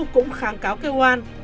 cũng kháng cáo kêu oan